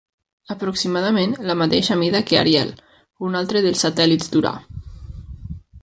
Aproximadament, la mateixa mida que Ariel, un altre dels satèl·lits d'Urà.